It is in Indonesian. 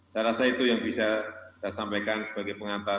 saya rasa itu yang bisa saya sampaikan sebagai pengantar